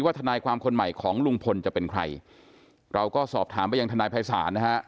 ทนายความคนใหม่ของลุงพลจะเป็นใครเราก็สอบถามไปยังทนายภัยศาลนะฮะ